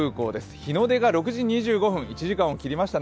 日の出が６時２５分１時間を切りましたね。